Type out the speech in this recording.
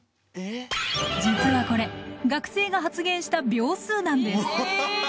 実はこれ学生が発言した秒数なんです。